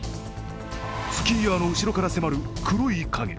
スキーヤーの後ろから迫る黒い影。